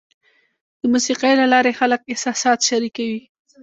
د موسیقۍ له لارې خلک احساسات شریکوي.